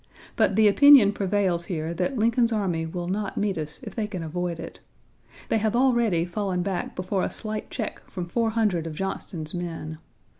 But the opinion prevails here that Lincoln's army will not meet us if they can avoid it. They have already fallen back before a slight check from 400 of Johnston's men.